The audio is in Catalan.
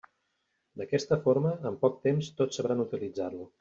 D'aquesta forma, en poc temps tots sabran utilitzar-lo.